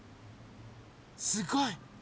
すごい！